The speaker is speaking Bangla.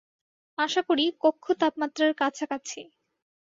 আশা করি, কক্ষ তাপমাত্রার কাছাকাছি।